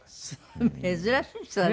珍しい人だね。